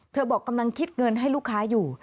บอกกำลังคิดเงินให้ลูกค้าอยู่